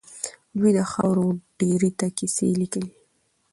دوی د خاورو ډېري ته کيسې ليکي.